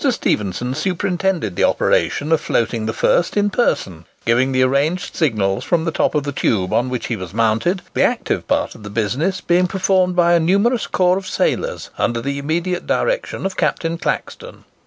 Stephenson superintended the operation of floating the first in person, giving the arranged signals from the top of the tube on which he was mounted, the active part of the business being performed by a numerous corps of sailors, under the immediate direction of Captain Claxton.